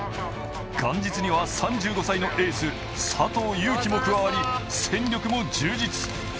元日には３５歳のエース・佐藤悠基も加わり戦力も充実。